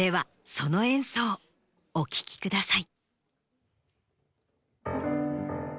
その演奏お聴きください。